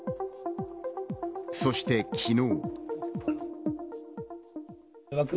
そして昨日。